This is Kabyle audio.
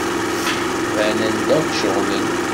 Banen-d akk ceɣlen.